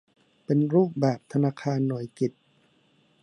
เป็นรูปแบบธนาคารหน่วยกิต